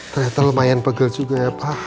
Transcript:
ternyata lumayan pegel juga ya pak